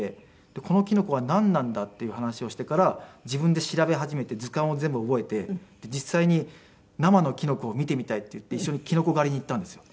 このキノコはなんなんだっていう話をしてから自分で調べ始めて図鑑を全部覚えて実際に生のキノコを見てみたいって言って一緒にキノコ狩りに行ったんですよ。